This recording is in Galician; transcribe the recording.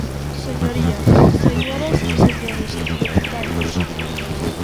Señorías, señoras e señores deputados.